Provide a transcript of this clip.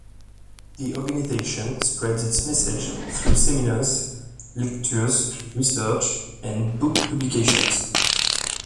The organization spreads its message through seminars, lectures, research, and book publications.